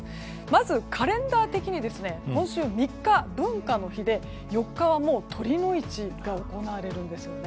まずカレンダー的に今週３日、文化の日で４日はもう酉の市が行われるんです。